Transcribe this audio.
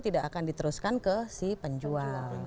tidak akan diteruskan ke si penjual